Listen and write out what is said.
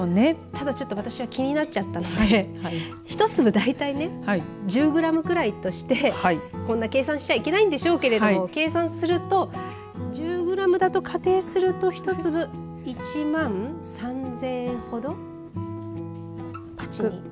ただちょっと私は気になっちゃったので一粒大体ね１０グラムぐらいとしてこんな計算しちゃいけないんでしょうけど計算すると１０グラムだと仮定すると１粒１万３０００円ほど。